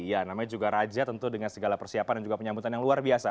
ya namanya juga raja tentu dengan segala persiapan dan juga penyambutan yang luar biasa